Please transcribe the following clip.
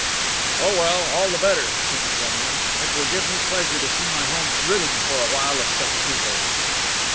"Oh, well, all the better," said the general. "It will give me pleasure to see my home ridded for a while of such people."